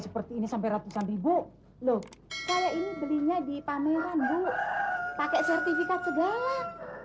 seperti ini sampai ratusan ribu loh saya ini belinya di pameran bu pakai sertifikat segala